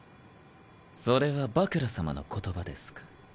それはバクラ様の言葉ですか？